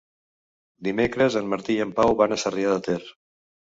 Dimecres en Martí i en Pau van a Sarrià de Ter.